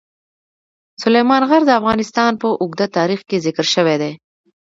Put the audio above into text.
سلیمان غر د افغانستان په اوږده تاریخ کې ذکر شوی دی.